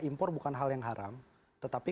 impor bukan hal yang haram tetapi